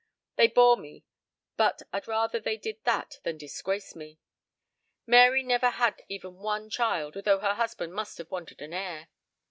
They bore me but I'd rather they did that than disgrace me. Mary never had even one child, although her husband must have wanted an heir.